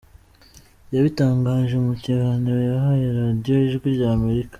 Yabitangaje mu kiganiro yahaye Radio Ijwi ry’Amerika: